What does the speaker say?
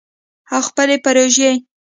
او خپلې پروژې